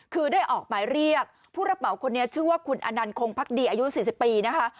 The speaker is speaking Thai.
คือได้ออกหมายเรียกผู้รับเหมาคนนี้ชื่อว่าคุณอนันต์คงพักดีอายุ๔๐ปีนะคะ